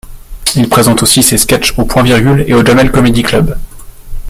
Il présente aussi ses sketchs au Point-Virgule et au Jamel Comedy Club.